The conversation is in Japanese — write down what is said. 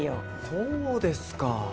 そうですか！